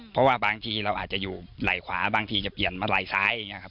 เพราะว่าบางทีเราอาจจะอยู่ไหล่ขวาบางทีจะเปลี่ยนมาไหล่ซ้ายอย่างนี้ครับ